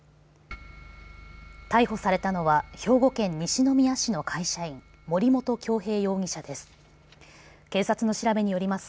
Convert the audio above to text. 逮捕されたのは兵庫県西宮市の会社員森本恭平容疑者です。